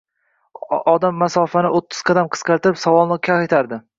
Odam masofani oʻttiz qadamga qisqartirib, savolini qaytardi